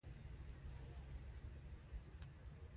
سلیمان غر د افغان ماشومانو د زده کړې موضوع ده.